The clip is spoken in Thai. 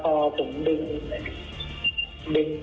พอจุงดึง